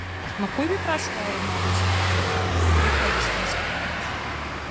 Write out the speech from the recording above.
Но кој би прашувал една обична курва, би рекле вистинските мажи.